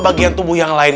bagian tubuh yang lain